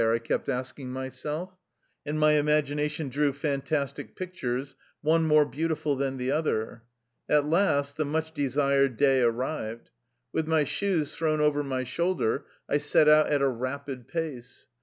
" I kept asking my self, and my imagination drew fantastic pic tures, one more beautiful than the other. At last the much desired day arrived. With my shoes thrown over my shoulder, I set out at a rapid pace.